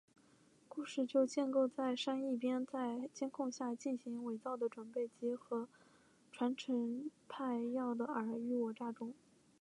故事就建构在珊一边在监控下进行仿造的准备及和传承派政要的尔虞我诈中。